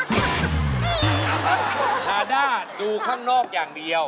อาด้าดูข้างนอกอย่างเดียว